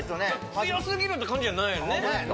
強すぎるって感じじゃないよね